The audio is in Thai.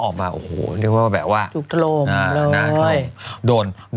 ออกมาโอ้โหเรียกเป็นว่าแบบทรง